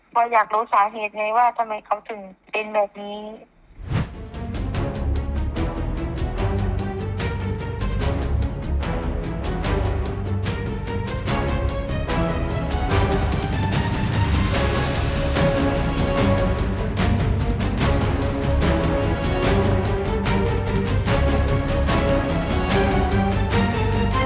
เพราะอยากรู้สาเหตุไงว่าทำไมเขาถึงเป็นแบบนี้